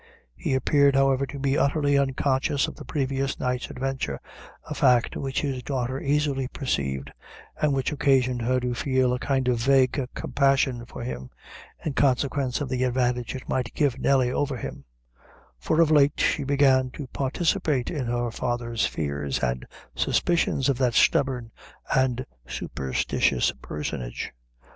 He appeared, however, to be utterly unconscious of the previous night's adventure, a fact which his daughter easily perceived, and which occasioned her to feel a kind of vague compassion for him, in consequence of the advantage it might give Nelly over him; for of late she began to participate in her father's fears and suspicions of that stubborn and superstitious personage.